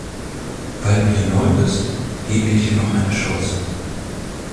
Weil du hier neu bist, gebe ich dir noch eine Chance.